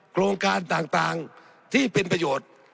โครงการต่างที่เป็นประโยชน์